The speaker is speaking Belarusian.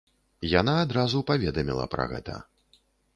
Яна адразу паведаміла пра гэта.